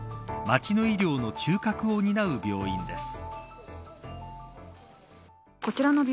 町の医療の中核を担う病院です。